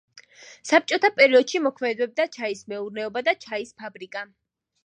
საბჭოთა პერიოდში მოქმედებდა ჩაის მეურნეობა და ჩაის ფაბრიკა.